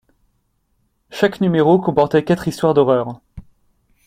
Chaque numéro comportait quatre histoires d'horreur.